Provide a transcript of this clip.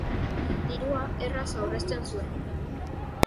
Dirua erraz aurrezten zuen.